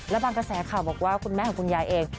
และบางกระแสข่าวบอกว่าคุณแม่ของคุณยายเอง